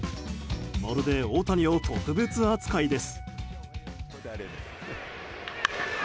まるで大谷を特別扱いです。